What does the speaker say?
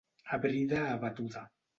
A brida abatuda.